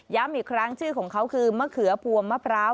อีกครั้งชื่อของเขาคือมะเขือพวงมะพร้าว